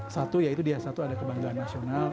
satu ya itu dia satu ada kebanggaan nasional